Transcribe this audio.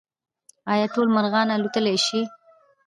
ایا ټول مرغان الوتلی شي؟